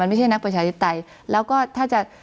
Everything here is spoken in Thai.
ไม่ใช่นักประชาธิปไตยแล้วก็ถ้าจะ